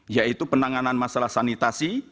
yaitu penanganan masalah sanitasi